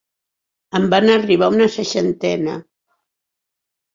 En van arribar una seixantena.